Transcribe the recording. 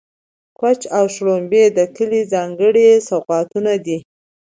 کوچ او شړومبې د کلي ځانګړي سوغاتونه دي.